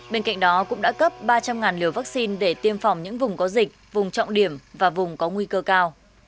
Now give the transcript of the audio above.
bên cạnh đó cũng đã cấp ba trăm linh liều vaccine để tiêm phòng những vùng có dịch vùng trọng điểm và vùng có nguy cơ cao